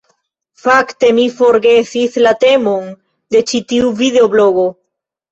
Fakte mi forgesis la temon de ĉi tiu videoblogo.